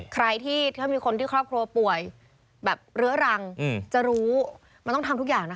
ใครที่ถ้ามีคนที่ครอบครัวป่วยแบบเรื้อรังจะรู้มันต้องทำทุกอย่างนะคะ